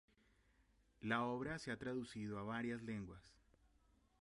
La obra se ha traducido a varias lenguas.